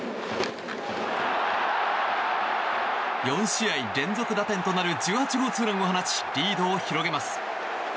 ４試合連続打点となる１８号ツーランを放ちリードを広げます。